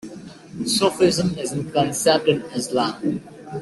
Sufism is a concept in Islam.